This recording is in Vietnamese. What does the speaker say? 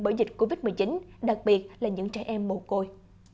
bởi dịch covid một mươi chín đặc biệt là những trẻ em mồ côi